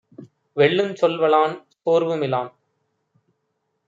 வெல்லுஞ் சொல்வலான், சோர்வு மிலான்